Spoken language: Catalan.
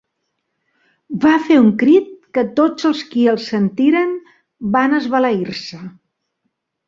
Va fer un crit que tots els qui el sentiren van esbalair-se.